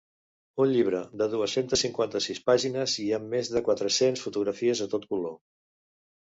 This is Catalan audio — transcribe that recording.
Un llibre de dues-centes cinquanta-sis pàgines i amb més de quatre-cents fotografies a tot color.